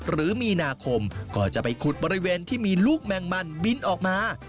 หรือมีนาคมก็จะไปขุดบริเวณที่มีลูกแมงมันบินออกมา